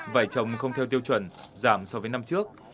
vải trồng không theo tiêu chuẩn giảm so với năm trước